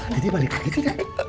jadi balik lagi ke sana